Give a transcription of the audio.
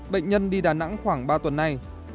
bệnh nhân đi đà nẵng khoảng ba tuần nay